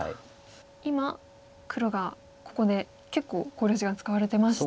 今黒がここで結構考慮時間使われてまして。